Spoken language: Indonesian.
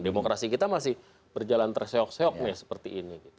demokrasi kita masih berjalan terseok seoknya seperti ini